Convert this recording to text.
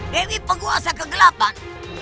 dewi penguasa kegelapan